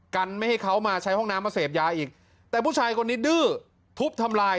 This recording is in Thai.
กันไม่ให้เขามาใช้ห้องน้ำมาเสพยาอีกแต่ผู้ชายคนนี้ดื้อทุบทำลาย